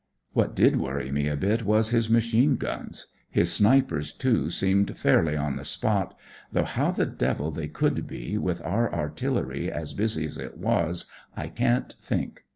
"What did worry me a bit was his machine guns. His snipers, too, seemed fairly on the spot, though how the devil they could be, with our artillery as busy as it was, I can't think.